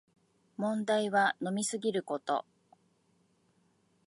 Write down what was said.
問題は飲みすぎること